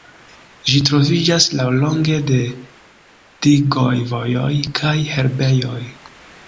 Ĝi troviĝas laŭlonge de digoj, vojoj kaj herbejoj.